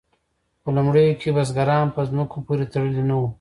په لومړیو کې بزګران په ځمکو پورې تړلي نه وو.